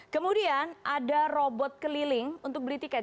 kemudian ada robot keliling untuk beli tiket